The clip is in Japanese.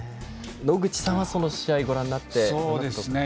野口さんはその試合をご覧になってどうでしたか。